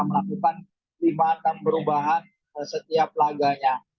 melakukan lima enam perubahan setiap laganya